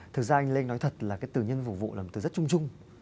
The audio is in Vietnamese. thực ra anh lê nói thật là cái từ nhân phục vụ là một từ rất chung chung